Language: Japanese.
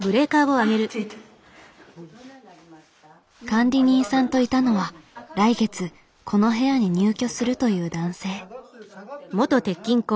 管理人さんといたのは来月この部屋に入居するという男性。